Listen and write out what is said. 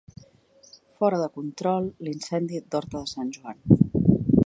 Fora de control l'incendi d'Horta de Sant Joan.